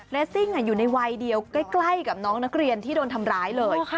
ซิ่งอยู่ในวัยเดียวใกล้กับน้องนักเรียนที่โดนทำร้ายเลย